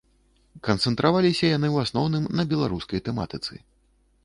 Канцэнтраваліся яны ў асноўным на беларускай тэматыцы.